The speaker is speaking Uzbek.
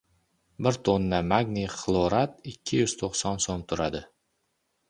Bir tonna magniy xlorat ikki yuz to‘qson so‘m turadi.